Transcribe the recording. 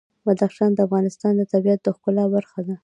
بدخشان د افغانستان د طبیعت د ښکلا برخه ده.